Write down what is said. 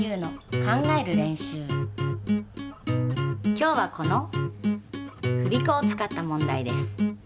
今日はこの振り子を使った問題です。